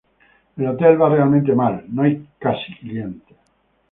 El hotel va realmente mal, no hay casi clientes.